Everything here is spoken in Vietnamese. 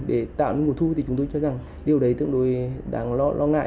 để tạo nên nguồn thu thì chúng tôi cho rằng điều đấy tương đối đáng lo ngại